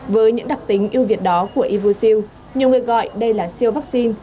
với những đặc tính yêu việt đó của evusil nhiều người gọi đây là siêu vaccine